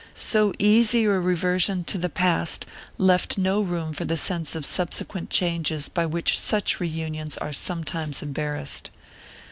So easy a reversion to the past left no room for the sense of subsequent changes by which such reunions are sometimes embarrassed.